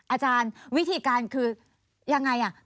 อาจารย์วิธีการคือยังไง